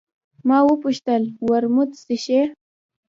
ما وپوښتل: ورموت څښې؟